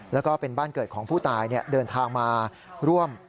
แล้วก็เป็นบ้านเกิดของผู้ตายเดินทางมาร่วม